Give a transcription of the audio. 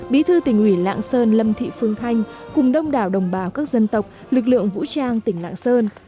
bí thư tỉnh ủy lạng sơn lâm thị phương thanh cùng đông đảo đồng bào các dân tộc lực lượng vũ trang tỉnh lạng sơn